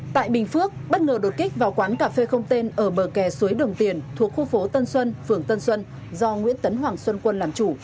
tại bình phước bất ngờ đột kích vào quán cà phê không tên ở bờ kè suối đồng tiền thuộc khu phố tân xuân phường tân xuân do nguyễn tấn hoàng xuân quân làm chủ